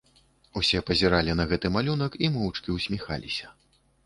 Усе пазіралі на гэты малюнак і моўчкі ўсміхаліся.